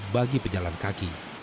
bagi penjalan kaki